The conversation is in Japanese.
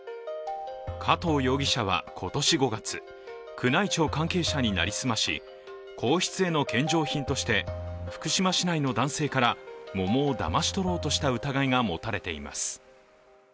加藤容疑者は今年５月、宮内庁関係者に成り済まし皇室への献上品として福島市内の男性から桃をだまし取ろうとした疑いが持たれています。